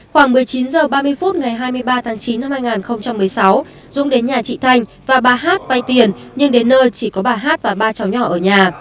khoảng một mươi chín h ba mươi phút ngày hai mươi ba tháng chín năm hai nghìn một mươi sáu dũng đến nhà chị thanh và bà hát vay tiền nhưng đến nơi chỉ có bà hát và ba cháu nhỏ ở nhà